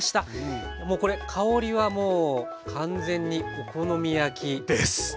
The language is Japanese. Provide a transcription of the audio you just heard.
もうこれ香りはもう完全にお好み焼き。です！